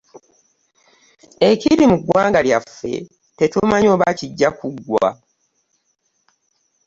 Ekiri mu ggwanga lyaffe tetumanyi oba kigya kuggwa.